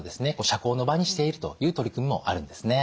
社交の場にしているという取り組みもあるんですね。